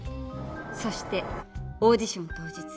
そしてオーディション当日。